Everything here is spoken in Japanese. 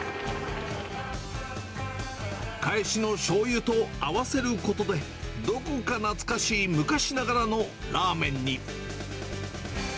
かえしのしょうゆと合わせることで、どこか懐かしい昔ながらのラーメンに。